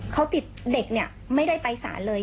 เขาติดเด็กเนี่ยไม่ได้ไปสารเลย